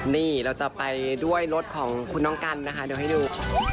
นี่เราจะไปด้วยรถของคุณน้องกันนะคะเดี๋ยวให้ดู